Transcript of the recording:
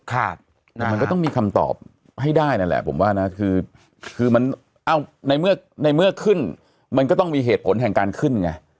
มันก็ต้องมีคำตอบให้ได้แล้วผมว่าน่ะคือคืออ้าวในเมื่อขึ้นมันก็ต้องมีเหตุผลแห่งการขึ้นไง